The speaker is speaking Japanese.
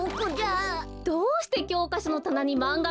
どうしてきょうかしょのたなにマンガがおいてあるの？